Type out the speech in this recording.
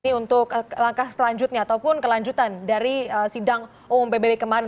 ini untuk langkah selanjutnya ataupun kelanjutan dari sidang umum pbb kemarin